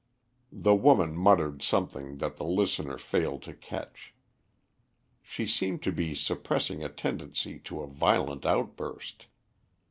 The woman muttered something that the listener failed to catch. She seemed to be suppressing a tendency to a violent outburst.